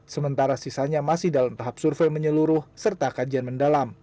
sementara sisanya masih dalam tahap survei menyeluruh serta kajian mendalam